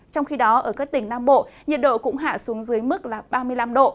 trong khi đó ở các tỉnh nam bộ nhiệt độ cũng hạ xuống dưới mức là ba mươi năm độ